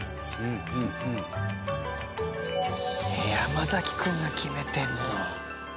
山君が決めてるの。